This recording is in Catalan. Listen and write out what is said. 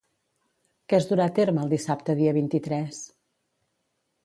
Què es durà a terme el dissabte dia vint-i-tres?